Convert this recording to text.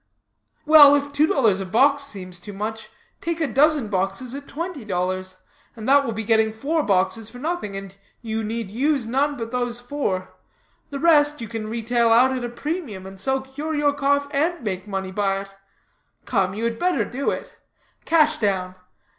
Ugh, ugh, ugh, ugh!" "Well, if two dollars a box seems too much, take a dozen boxes at twenty dollars; and that will be getting four boxes for nothing, and you need use none but those four, the rest you can retail out at a premium, and so cure your cough, and make money by it. Come, you had better do it. Cash down.